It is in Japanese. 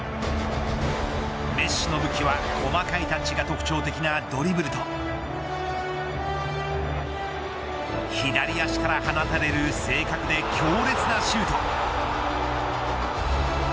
メッシの武器は細かいタッチが特徴的なドリブルと左足から放たれる正確で強烈なシュート。